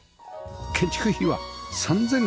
建築費は３４００万円。